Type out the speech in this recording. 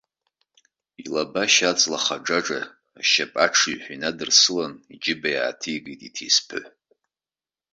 Илабашьа аҵла хаџьаџьа ашьапы аҽыҩҳәа инадырсыланы иџьыба иааҭигеит иҭесԥыҳә.